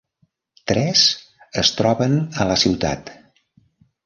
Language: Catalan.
Tres es troben a la ciutat.